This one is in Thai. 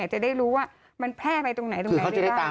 จะได้รู้ว่ามันแพร่ไปตรงไหนตรงไหนไม่ได้